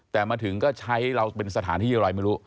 แต่มาถึงก็ใช้เราเป็นสถานที่อะไรไม่รู้